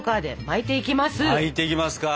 巻いていきますか。